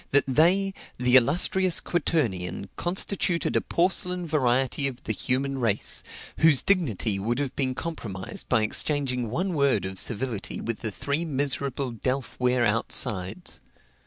that they, the illustrious quaternion, constituted a porcelain variety of the human race, whose dignity would have been compromised by exchanging one word of civility with the three miserable delf ware outsides.